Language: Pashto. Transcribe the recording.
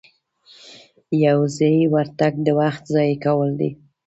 یو ځایي ورتګ د وخت ضایع کول دي.